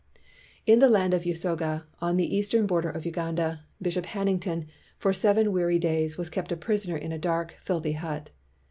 In the land of Usoga, on the eastern bor der of Uganda, Bishop Hannington for seven weary days was kept a prisoner in a dark, filthy hut.